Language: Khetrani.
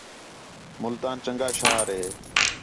ملتان چنڳا شہر ہے